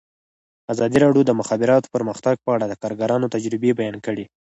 ازادي راډیو د د مخابراتو پرمختګ په اړه د کارګرانو تجربې بیان کړي.